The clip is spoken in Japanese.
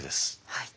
はい。